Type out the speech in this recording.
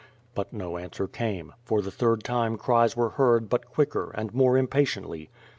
But no answer came; for the third time cries were heard but quicker, and more impatiently.